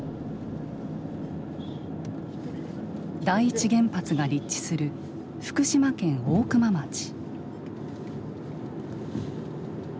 第一原発が立地する福島県大熊町。